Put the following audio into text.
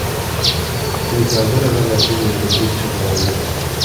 Биз азыр гана түз эфирге чыга алдык.